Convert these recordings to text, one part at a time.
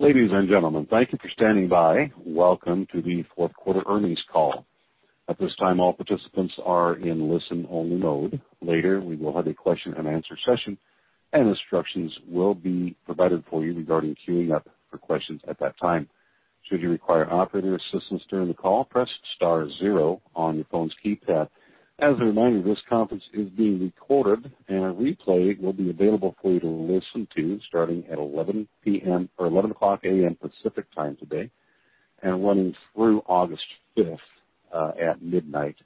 Ladies and gentlemen, thank you for standing by. Welcome to the fourth quarter earnings call. At this time, all participants are in listen-only mode. Later, we will have a question and answer session, and instructions will be provided for you regarding queuing up for questions at that time. Should you require operator assistance during the call, press Star zero on your phone's keypad. As a reminder, this conference is being recorded, and a replay will be available for you to listen to starting at 11:00 AM Pacific Time today and running through August fifth at midnight.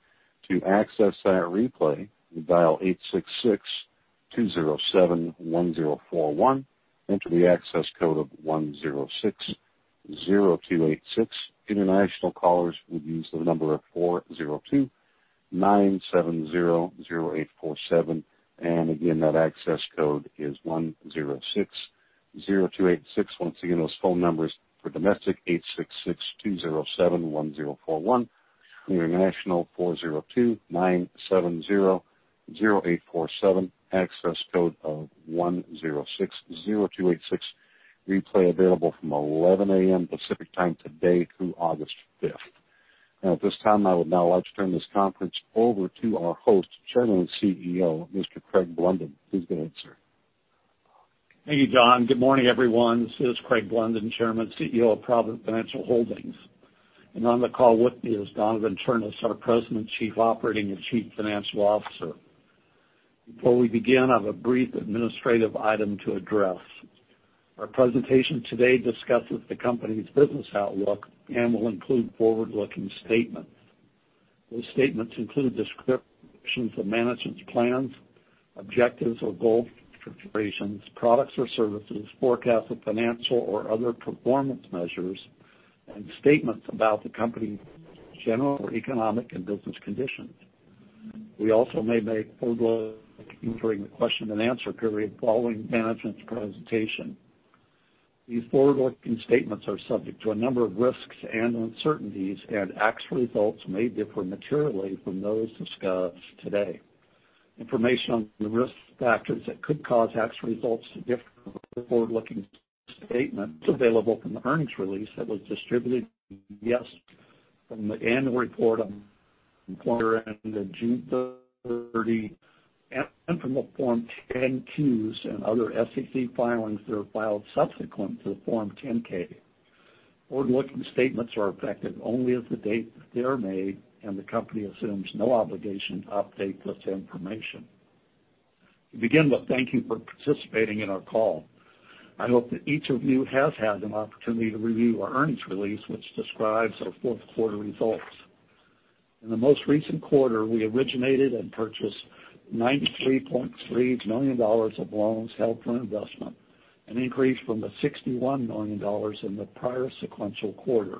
International callers would use the number 402-970-0847, again, that access code is 1060286. Once again, those phone numbers for domestic, 866-207-1041. International, 402-970-0847, access code of 1060286. Replay available from 11:00 A.M. Pacific Time today through August fifth. At this time, I would now like to turn this conference over to our host, Chairman and Chief Executive Officer, Mr. Craig G. Blunden. Please go ahead, sir. Thank you, John. Good morning, everyone. This is Craig G. Blunden, Chairman, CEO of Provident Financial Holdings. On the call with me is Donavon P. Ternes, our President, Chief Operating and Chief Financial Officer. Before we begin, I have a brief administrative item to address. Our presentation today discusses the company's business outlook and will include forward-looking statements. Those statements include descriptions of management's plans, objectives or goals for operations, products or services, forecasts of financial or other performance measures, and statements about the company's general economic and business conditions. We also may make forward-looking during the question and answer period following management's presentation. These forward-looking statements are subject to a number of risks and uncertainties, and actual results may differ materially from those discussed today. Information on the risk factors that could cause actual results to differ from forward-looking statements available from the earnings release that was distributed yesterday from the annual report on and the June 30, and from the Form 10-Qs and other SEC filings that are filed subsequent to the Form 10-K. Forward-looking statements are effective only as of the date that they are made, and the company assumes no obligation to update this information. To begin with, thank you for participating in our call. I hope that each of you has had an opportunity to review our earnings release, which describes our fourth quarter results. In the most recent quarter, we originated and purchased $93.3 million of loans held for investment, an increase from the $61 million in the prior sequential quarter.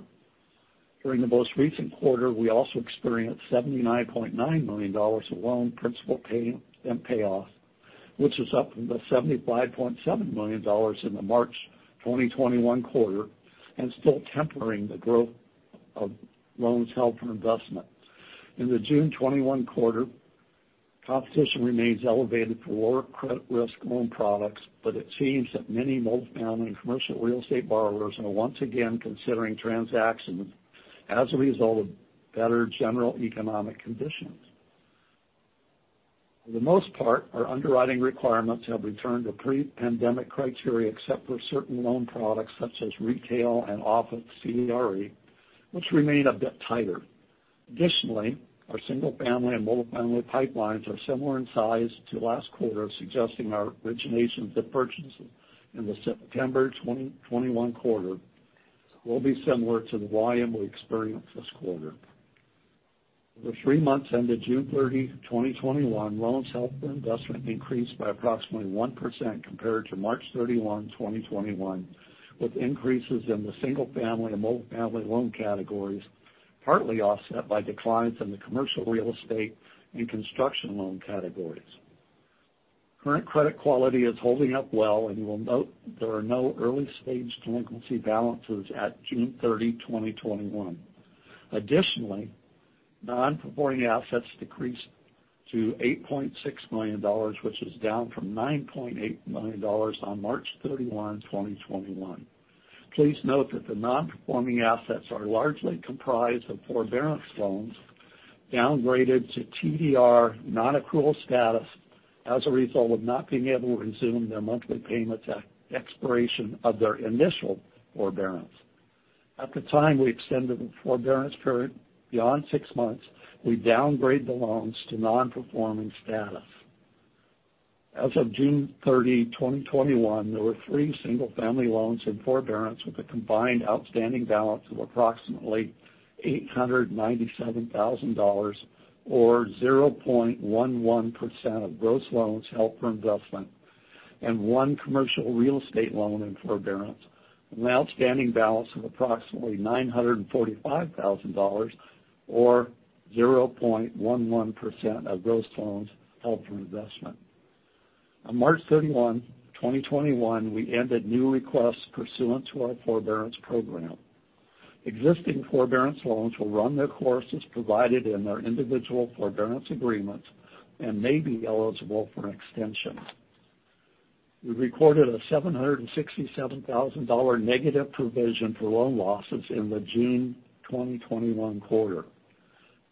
During the most recent quarter, we also experienced $79.9 million of loan principal payment and payoff, which is up from the $75.7 million in the March 2021 quarter and still tempering the growth of loans held for investment. In the June 2021 quarter, competition remains elevated for lower credit risk loan products, but it seems that many multi-family commercial real estate borrowers are once again considering transactions as a result of better general economic conditions. For the most part, our underwriting requirements have returned to pre-pandemic criteria, except for certain loan products such as retail and office CRE, which remain a bit tighter. Additionally, our single-family and multi-family pipelines are similar in size to last quarter, suggesting our originations of purchases in the September 2021 quarter will be similar to the volume we experienced this quarter. For the three months ended June 30, 2021, loans held for investment increased by approximately 1% compared to March 31, 2021, with increases in the single-family and multi-family loan categories, partly offset by declines in the commercial real estate and construction loan categories. Current credit quality is holding up well, and you will note there are no early-stage delinquency balances at June 30, 2021. Additionally, non-performing assets decreased to $8.6 million, which is down from $9.8 million on March 31, 2021. Please note that the non-performing assets are largely comprised of forbearance loans downgraded to TDR non-accrual status as a result of not being able to resume their monthly payments at expiration of their initial forbearance. At the time we extended the forbearance period beyond 6 months, we downgrade the loans to non-performing status. As of June 30, 2021, there were three single-family loans in forbearance with a combined outstanding balance of approximately $897,000, or 0.11% of gross loans held for investment, and one commercial real estate loan in forbearance with an outstanding balance of approximately $945,000, or 0.11% of gross loans held for investment. On March 31, 2021, we ended new requests pursuant to our forbearance program. Existing forbearance loans will run their course as provided in their individual forbearance agreements and may be eligible for an extension. We recorded a $767,000 negative provision for loan losses in the June 2021 quarter.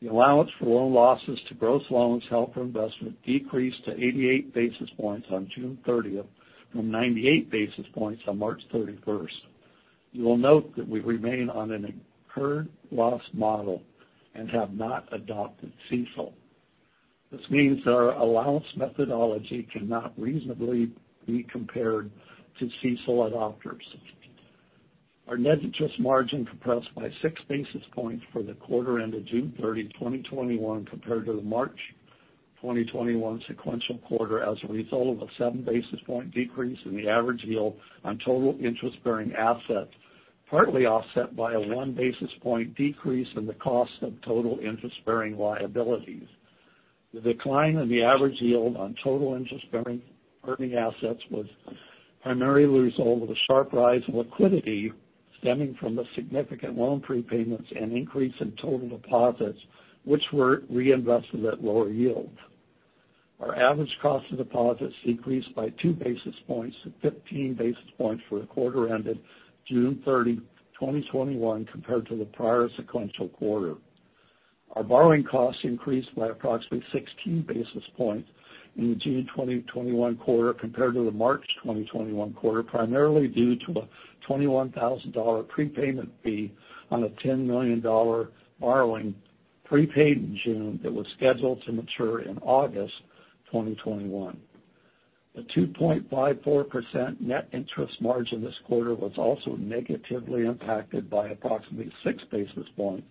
The allowance for loan losses to gross loans held for investment decreased to 88 basis points on June 30th, from 98 basis points on March 31st. You will note that we remain on an incurred loss model and have not adopted CECL. This means our allowance methodology cannot reasonably be compared to CECL adopters. Our net interest margin compressed by six basis points for the quarter ended June 30, 2021, compared to the March 2021 sequential quarter, as a result of a seven basis point decrease in the average yield on total interest-bearing assets, partly offset by a one basis point decrease in the cost of total interest-bearing liabilities. The decline in the average yield on total interest-bearing assets was primarily a result of the sharp rise in liquidity stemming from the significant loan prepayments and increase in total deposits, which were reinvested at lower yields. Our average cost of deposits decreased by two basis points to 15 basis points for the quarter ended June 30, 2021, compared to the prior sequential quarter. Our borrowing costs increased by approximately 60 basis points in the June 2021 quarter compared to the March 2021 quarter, primarily due to a $21,000 prepayment fee on a $10 million borrowing prepaid in June that was scheduled to mature in August 2021. The 2.54% net interest margin this quarter was also negatively impacted by approximately six basis points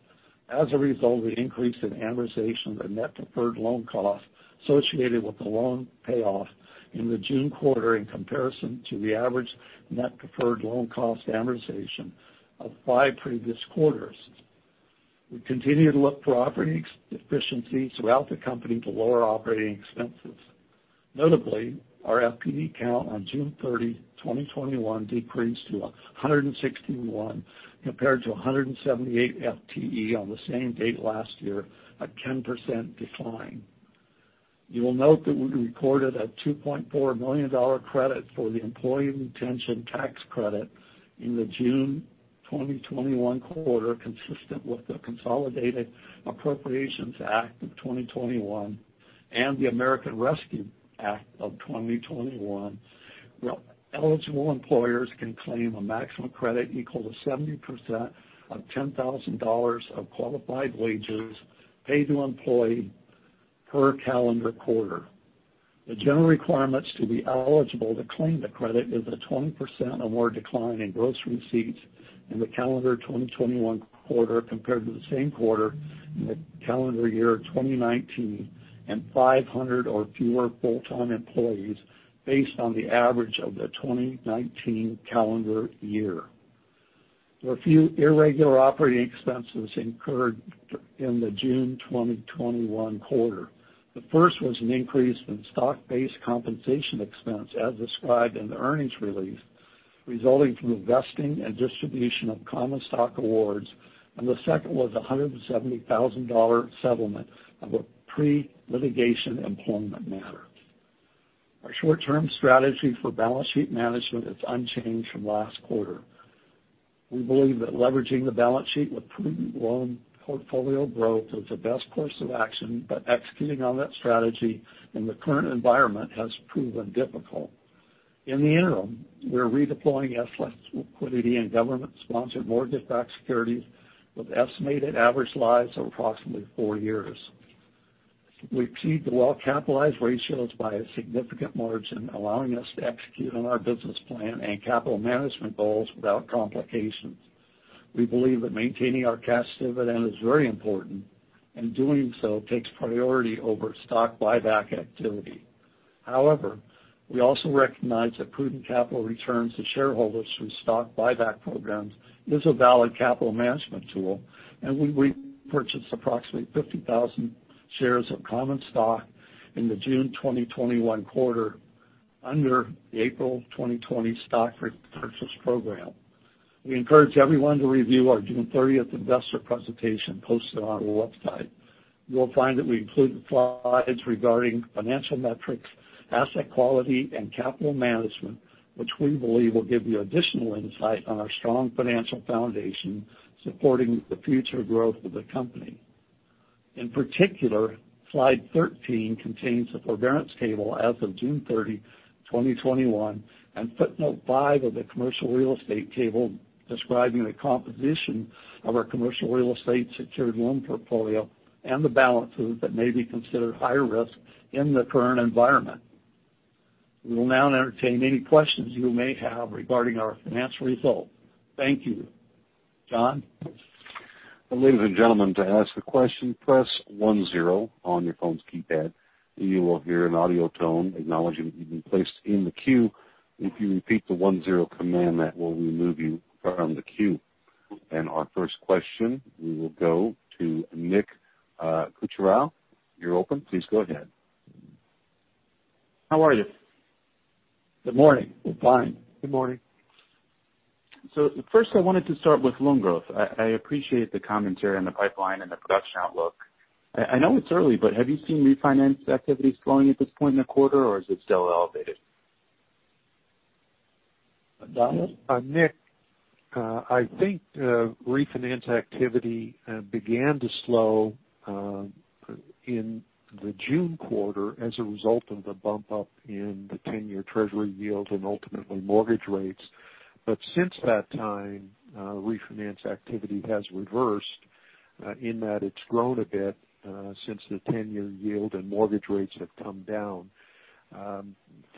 as a result of the increase in amortization of the net deferred loan cost associated with the loan payoff in the June quarter in comparison to the average net deferred loan cost amortization of five previous quarters. We continue to look for operating efficiencies throughout the company to lower operating expenses. Notably, our FTE count on June 30, 2021, decreased to 161 compared to 178 FTE on the same date last year, a 10% decline. You will note that we recorded a $2.4 million credit for the Employee Retention Tax Credit in the June 2021 quarter, consistent with the Consolidated Appropriations Act, 2021 and the American Rescue Plan Act of 2021, where eligible employers can claim a maximum credit equal to 70% of $10,000 of qualified wages paid to employee per calendar quarter. The general requirements to be eligible to claim the credit is a 20% or more decline in gross receipts in the calendar 2021 quarter compared to the same quarter in the calendar year 2019, and 500 or fewer full-time employees based on the average of the 2019 calendar year. There were a few irregular operating expenses incurred in the June 2021 quarter. The first was an increase in stock-based compensation expense as described in the earnings release, resulting from the vesting and distribution of common stock awards, and the second was $170,000 settlement of a pre-litigation employment matter. Our short-term strategy for balance sheet management is unchanged from last quarter. We believe that leveraging the balance sheet with prudent loan portfolio growth is the best course of action, but executing on that strategy in the current environment has proven difficult. In the interim, we're redeploying excess liquidity in government-sponsored mortgage-backed securities with estimated average lives of approximately four years. We exceed the well-capitalized ratios by a significant margin, allowing us to execute on our business plan and capital management goals without complications. We believe that maintaining our cash dividend is very important, and doing so takes priority over stock buyback activity. However, we also recognize that prudent capital returns to shareholders through stock buyback programs is a valid capital management tool, and we purchased approximately 50,000 shares of common stock in the June 2021 quarter under the April 2020 stock repurchase program. We encourage everyone to review our June 30th investor presentation posted on our website. You will find that we include slides regarding financial metrics, asset quality, and capital management, which we believe will give you additional insight on our strong financial foundation supporting the future growth of the company. In particular, slide 13 contains the forbearance table as of June 30, 2021, and footnote five of the commercial real estate table describing the composition of our commercial real estate secured loan portfolio and the balances that may be considered higher risk in the current environment. We will now entertain any questions you may have regarding our financial results. Thank you. John? Our first question, we will go to Nick Kuchera. You're open. Please go ahead. How are you? Good morning. Fine. Good morning. First, I wanted to start with loan growth. I appreciate the commentary on the pipeline and the production outlook. I know it's early, but have you seen refinance activities slowing at this point in the quarter, or is it still elevated? Donavon? Nick, I think refinance activity began to slow in the June quarter as a result of the bump up in the 10-year treasury yield and ultimately mortgage rates. Since that time, refinance activity has reversed in that it's grown a bit, since the 10-year yield and mortgage rates have come down.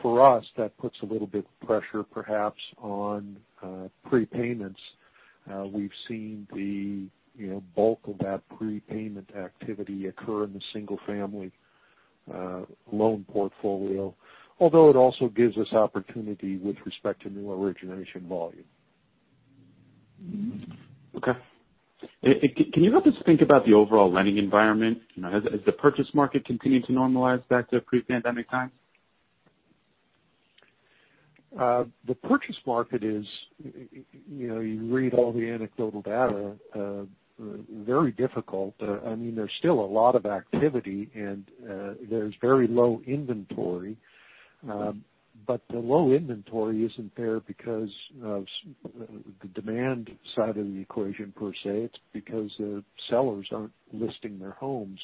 For us, that puts a little bit of pressure, perhaps, on prepayments. We've seen the bulk of that prepayment activity occur in the single-family loan portfolio. It also gives us opportunity with respect to new origination volume. Okay. Can you help us think about the overall lending environment? Has the purchase market continued to normalize back to pre-pandemic times? The purchase market is, you read all the anecdotal data, very difficult. There's still a lot of activity and there's very low inventory. The low inventory isn't there because of the demand side of the equation per se. It's because the sellers aren't listing their homes,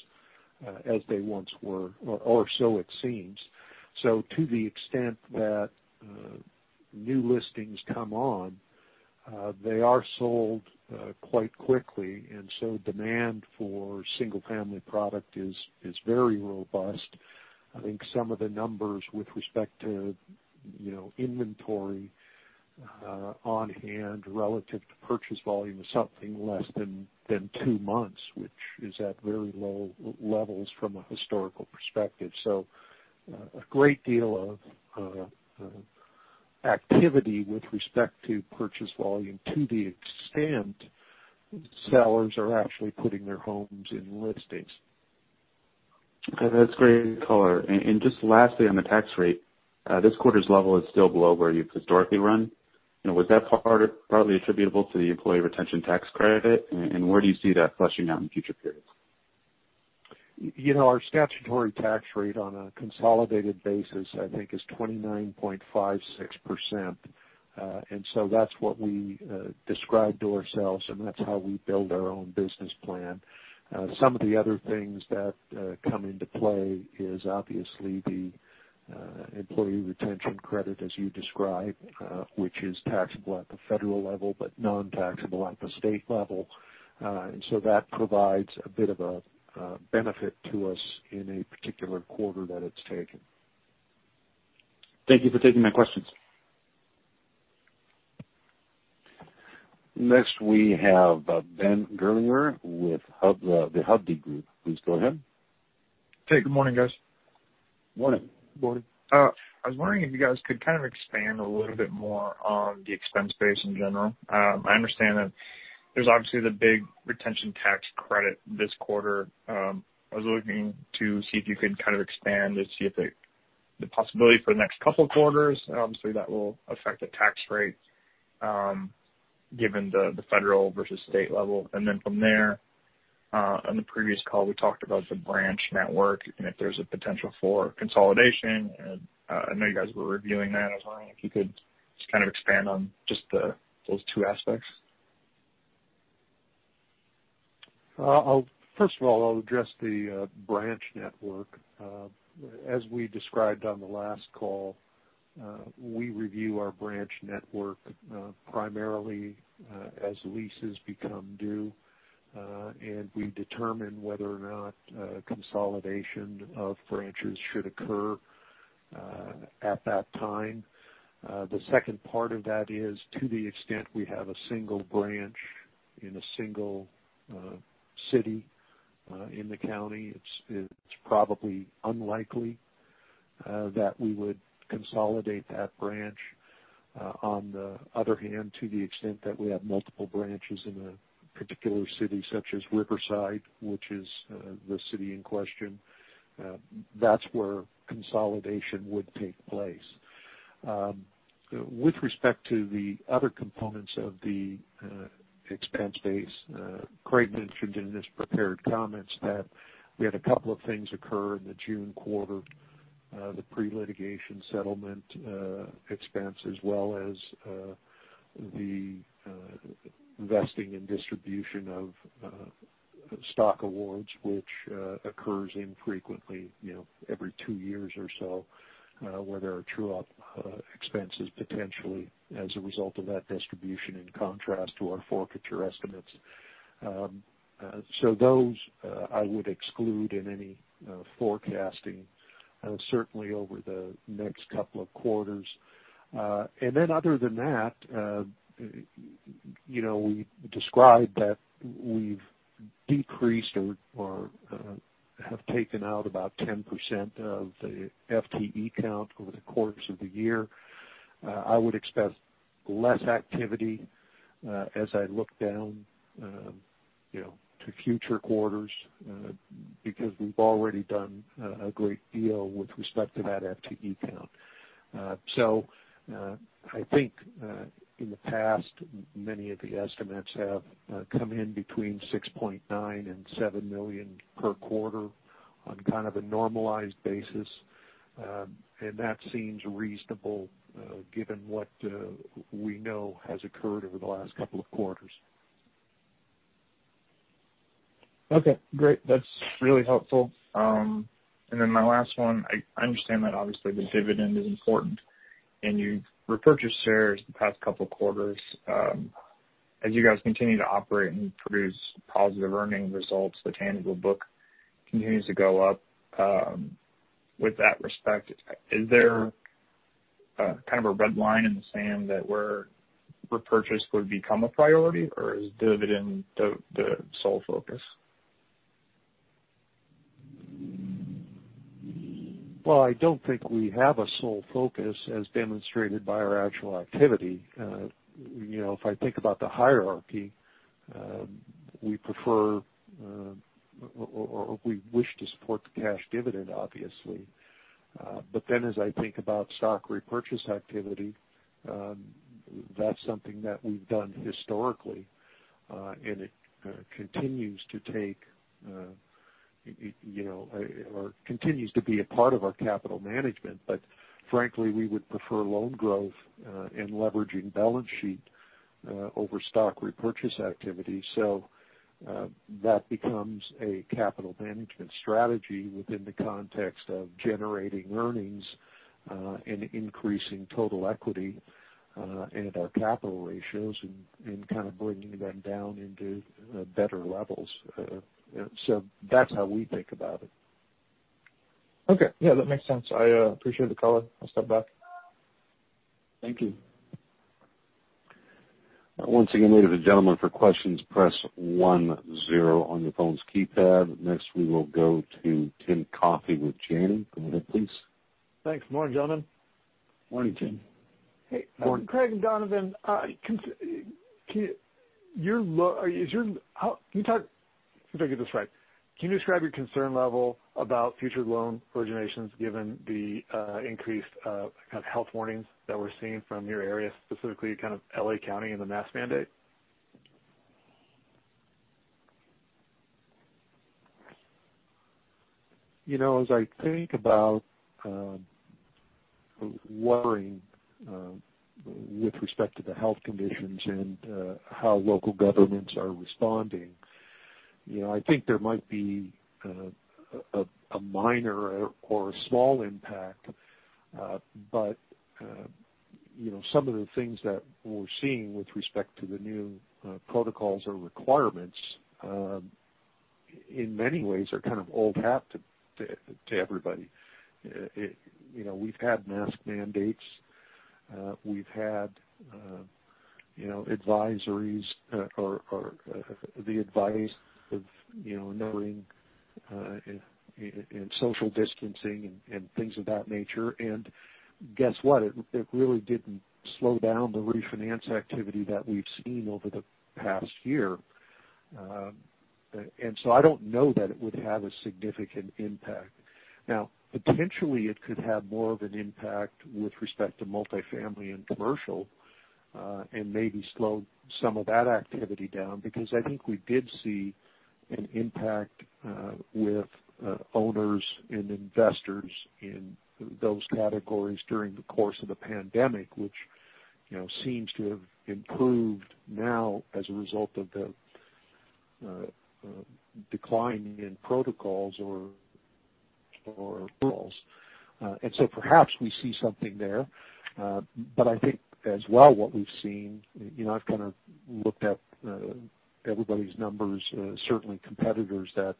as they once were or so it seems. To the extent that new listings come on, they are sold quite quickly. Demand for single-family product is very robust. I think some of the numbers with respect to inventory on hand relative to purchase volume is something less than two months, which is at very low levels from a historical perspective. A great deal of activity with respect to purchase volume to the extent sellers are actually putting their homes in listings. That's great color. Just lastly, on the tax rate, this quarter's level is still below where you've historically run. Was that partly attributable to the Employee Retention Tax Credit? Where do you see that flushing out in future periods? Our statutory tax rate on a consolidated basis, I think is 29.56%. That's what we described to ourselves, and that's how we build our own business plan. Some of the other things that come into play is obviously the Employee Retention Credit as you described, which is taxable at the federal level, but non-taxable at the state level. That provides a bit of a benefit to us in a particular quarter that it's taken. Thank you for taking my questions. Next we have Ben Gerla with The Hovde Group. Please go ahead. Hey, good morning, guys. Morning. Morning. I was wondering if you guys could kind of expand a little bit more on the expense base in general. I understand that there's obviously the big Retention Tax Credit this quarter. I was looking to see if you could kind of expand to see if the possibility for the next couple quarters, obviously that will affect the tax rate, given the federal versus state level. From there, on the previous call, we talked about the branch network and if there's a potential for consolidation, and I know you guys were reviewing that as well. If you could just kind of expand on just those two aspects. First of all, I'll address the branch network. As we described on the last call, we review our branch network primarily as leases become due. We determine whether or not consolidation of branches should occur at that time. The second part of that is to the extent we have a single branch in a single city, in the county, it's probably unlikely that we would consolidate that branch. On the other hand, to the extent that we have multiple branches in a particular city, such as Riverside, which is the city in question, that's where consolidation would take place. With respect to the other components of the expense base, Craig mentioned in his prepared comments that we had a couple of things occur in the June quarter. The pre-litigation settlement expense as well as the investing and distribution of stock awards, which occurs infrequently, every two years or so, where there are true up expenses potentially as a result of that distribution in contrast to our forfeiture estimates. Those, I would exclude in any forecasting, certainly over the next couple of quarters. Other than that, we described that we've decreased or have taken out about 10% of the FTE count over the course of the year. I would expect less activity as I look down to future quarters, because we've already done a great deal with respect to that FTE count. I think in the past, many of the estimates have come in between $6.9 million and $7 million per quarter on kind of a normalized basis. That seems reasonable given what we know has occurred over the last couple of quarters. Okay, great. That's really helpful. My last one, I understand that obviously the dividend is important, and you've repurchased shares the past couple quarters. As you guys continue to operate and produce positive earning results, the tangible book continues to go up. With that respect, is there kind of a red line in the sand that where repurchase would become a priority, or is dividend the sole focus? Well, I don't think we have a sole focus as demonstrated by our actual activity. If I think about the hierarchy, we prefer or we wish to support the cash dividend obviously. As I think about stock repurchase activity, that's something that we've done historically, and it continues to be a part of our capital management. Frankly, we would prefer loan growth and leveraging balance sheet over stock repurchase activity. That becomes a capital management strategy within the context of generating earnings, and increasing total equity, and our capital ratios and kind of bringing them down into better levels. That's how we think about it. Okay. Yeah, that makes sense. I appreciate the color. I'll step back. Thank you. Once again, ladies and gentlemen, for questions press 10 on your phone's keypad. Next we will go to Tim Coffey with Janney. Go ahead, please. Thanks. Morning, gentlemen. Morning, Timothy. Hey. Craig and Donavon, if I get this right, can you describe your concern level about future loan originations given the increased kind of health warnings that we're seeing from your area, specifically kind of L.A. County and the mask mandate? As I think about worrying with respect to the health conditions and how local governments are responding, I think there might be a minor or a small impact. Some of the things that we're seeing with respect to the new protocols or requirements, in many ways are kind of old hat to everybody. We've had mask mandates. We've had advisories or the advice of knowing and social distancing and things of that nature. Guess what? It really didn't slow down the refinance activity that we've seen over the past year. So I don't know that it would have a significant impact. Potentially it could have more of an impact with respect to multifamily and commercial, and maybe slow some of that activity down because I think we did see an impact with owners and investors in those categories during the course of the pandemic, which seems to have improved now as a result of the decline in protocols or rules. Perhaps we see something there. I think as well what we've seen, I've kind of looked at everybody's numbers, certainly competitors that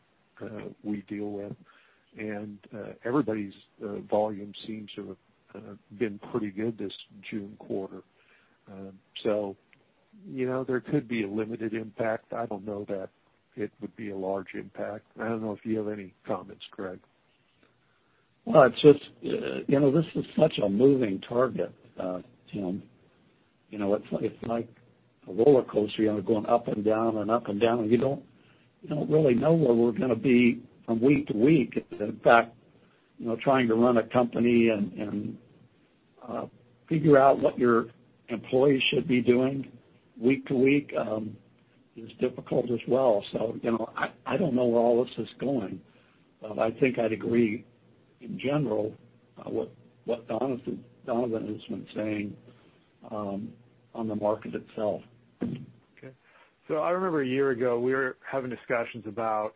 we deal with, and everybody's volume seems to have been pretty good this June quarter. There could be a limited impact. I don't know that it would be a large impact. I don't know if you have any comments, Craig. Well, this is such a moving target, Tim. It's like a rollercoaster. You're going up and down and up and down, and you don't really know where we're going to be from week to week. In fact, trying to run a company and figure out what your employees should be doing week to week is difficult as well. I don't know where all this is going. I think I'd agree in general what Donavon has been saying on the market itself. Okay. I remember a year ago we were having discussions about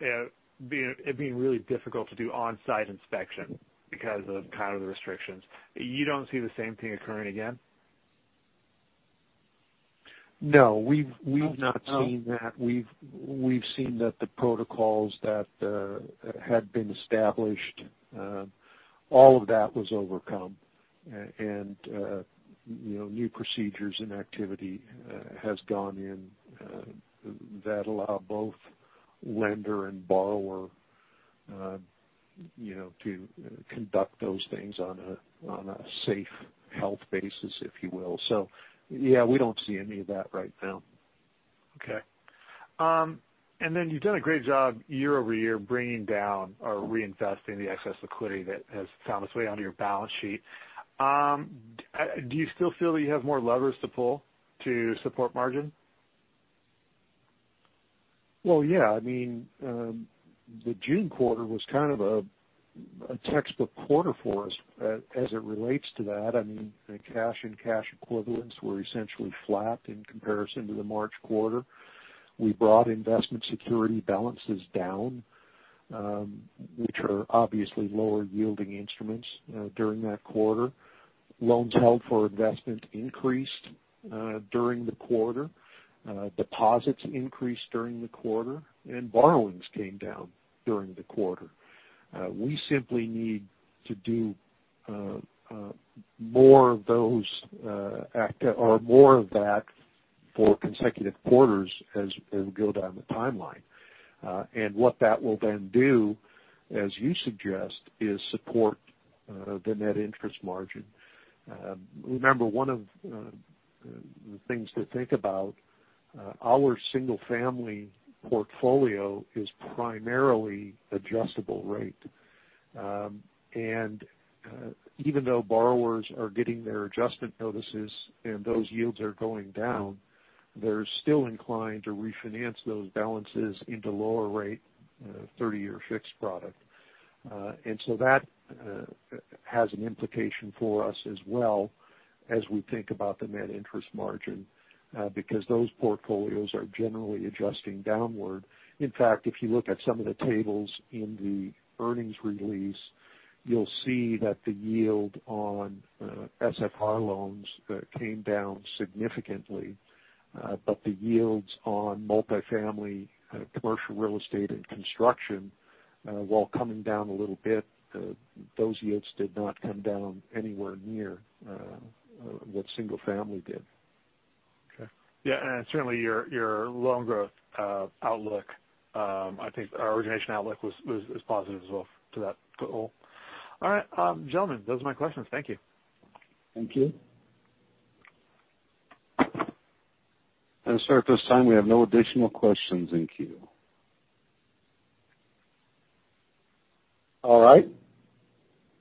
it being really difficult to do on-site inspection because of kind of the restrictions. You don't see the same thing occurring again? No, we've not seen that. We've seen that the protocols that had been established, all of that was overcome. New procedures and activity has gone in that allow both lender and borrower to conduct those things on a safe health basis, if you will. Yeah, we don't see any of that right now. Okay. You've done a great job year-over-year, bringing down or reinvesting the excess liquidity that has found its way onto your balance sheet. Do you still feel that you have more levers to pull to support margin? Well, yeah. The June quarter was kind of a textbook quarter for us as it relates to that. The cash and cash equivalents were essentially flat in comparison to the March quarter. We brought investment security balances down, which are obviously lower yielding instruments during that quarter. Loans held for investment increased during the quarter. Deposits increased during the quarter, and borrowings came down during the quarter. We simply need to do more of that for consecutive quarters as we go down the timeline. What that will then do, as you suggest, is support the net interest margin. Remember, one of the things to think about, our single-family portfolio is primarily adjustable rate. Even though borrowers are getting their adjustment notices and those yields are going down, they're still inclined to refinance those balances into lower rate 30-year fixed product. That has an implication for us as well as we think about the net interest margin, because those portfolios are generally adjusting downward. In fact, if you look at some of the tables in the earnings release, you'll see that the yield on SFR loans came down significantly. The yields on multifamily commercial real estate and construction, while coming down a little bit, those yields did not come down anywhere near what single family did. Okay. Certainly your loan growth outlook, I think our origination outlook was as positive as well to that goal. All right, gentlemen, those are my questions. Thank you. Thank you. Sir, at this time, we have no additional questions in queue. All right.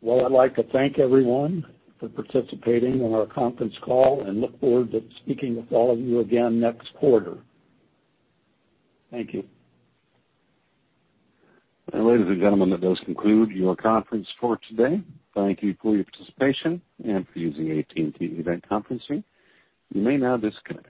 Well, I'd like to thank everyone for participating in our conference call and look forward to speaking with all of you again next quarter. Thank you. Ladies and gentlemen, that does conclude your conference for today. Thank you for your participation and for using AT&T Event Conferencing. You may now disconnect.